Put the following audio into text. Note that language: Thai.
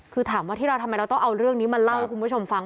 คือถามว่าที่เราทำไมเราต้องเอาเรื่องนี้มาเล่าให้คุณผู้ชมฟัง